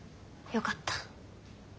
よかった。